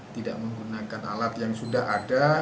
tidak menggunakan alat yang sudah ada